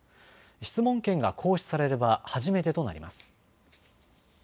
質問権が行使されれば初めてとなります。